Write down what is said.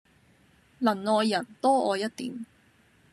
能愛人，多愛一點。